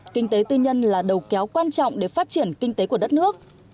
kinh tế tư nhân là đầu kéo quan trọng để phát triển kinh tế của đất nước